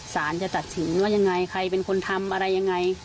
สารจะตัดสินว่ายังไงใครเป็นคนทำอะไรยังไง